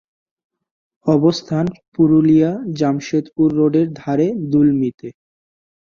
অবস্থান পুরুলিয়া-জামসেদপুর রোডের ধারে দুলমিতে।